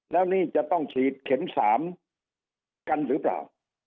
แล้วนี่จะต้องฉีดเข็ม๓กันหรือเปล่า